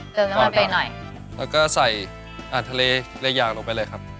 เติมน้ำมันไปหน่อยแล้วก็ใส่อาหารทะเลหลายอย่างลงไปเลยครับ